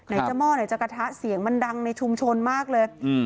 ไหนจะหม้อไหนจะกระทะเสียงมันดังในชุมชนมากเลย